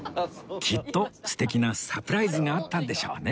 きっと素敵なサプライズがあったんでしょうね